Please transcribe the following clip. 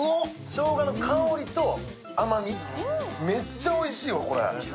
しょうがの香りと甘み、めっちゃおいしいよ、これ。